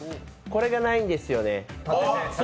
これがないんですよね。